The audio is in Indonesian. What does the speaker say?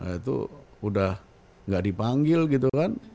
itu udah gak dipanggil gitu kan